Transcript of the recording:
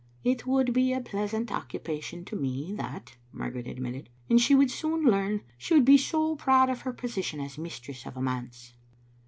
"It would be a pleasant occupation to me, that, Margaret admitted. " And she would soon leam : she would be so proud of her position as mistress of a manse."